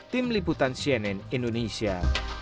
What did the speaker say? tim liputan cnn indonesia